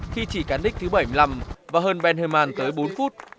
khi chỉ cán đích thứ bảy mươi năm và hơn ben herman tới bốn phút